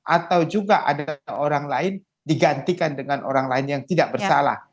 atau juga ada orang lain digantikan dengan orang lain yang tidak bersalah